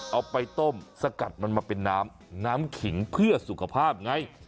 เอาไปต้มสกัดมันมาเป็นน้ำน้ำขิงเพื่อสุขภาพไง